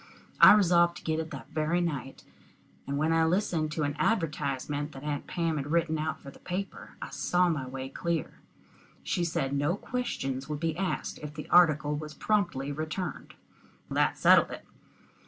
I resolved to get it that very night, and when I listened to an advertisement that Aunt Pam had written out for the paper, I saw my way clear. She said no questions would be asked if the article was promptly returned. That settled it.